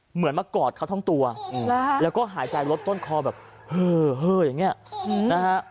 เหมือนมากอดเขาทั้งตัวแล้วก็หายใจลดต้นคอแบบเฮ่ออย่างนี้นะฮะ